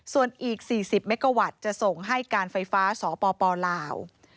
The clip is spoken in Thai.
ส่วนอีก๔๐เมกาวัตต์จะส่งให้การไฟฟ้าสปลาว